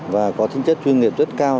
và có tinh chất chuyên nghiệp rất cao